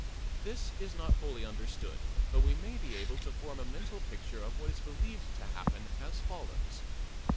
This is not fully understood, but we may be able to form a mental picture of what is believed to happen as follows.